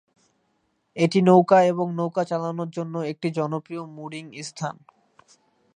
এটি নৌকা এবং নৌকা চালানোর জন্য একটি জনপ্রিয় মুরিং স্থান।